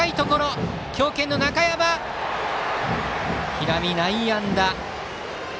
平見、内野安打。